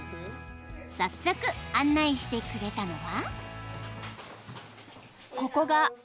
［早速案内してくれたのは］